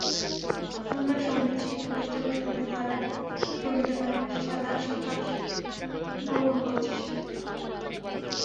কেননা সংগীত শিক্ষাপ্রতিষ্ঠান সুরের ধারায় সংগীতের পাশাপাশি সাধারণ শিক্ষাও গ্রহণ করেছে সে।